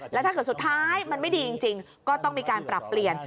แล้วถ้าเกิดสุดท้ายมันไม่ดีจริงก็ต้องมีการปรับเปลี่ยน